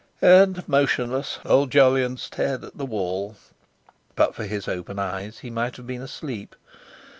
And, motionless, old Jolyon stared at the wall; but for his open eyes, he might have been asleep....